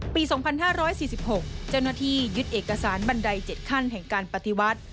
ปี๒๕๔๖เจ้าหน้าที่ยึดเอกสารบันได๗ขั้นแห่งการปฏิวัติ